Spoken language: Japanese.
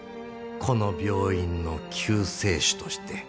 この病院の救世主として。